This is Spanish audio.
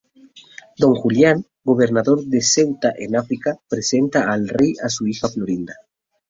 Don Julian, Gobernador de Ceuta en África, presenta al Rey a su hija Florinda.